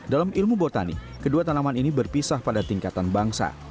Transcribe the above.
dalam ilmu botani kedua tanaman ini berpisah pada tingkatan bangsa